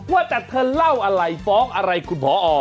ว่าแต่เธอเล่าอะไรฟ้องอะไรคุณพอ